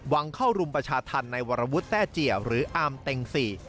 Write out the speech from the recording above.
วังเข้ารุมประชาธรรมในวรวุฒิแต้เจียหรืออามเต็งสี่